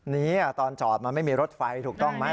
นี้ตอนจอดมันไม่มีรถไฟถูกต้องไหม